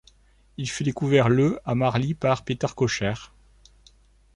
Il fut découvert le à Marly par Peter Kocher.